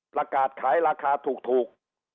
ประกาศขายราคาถูก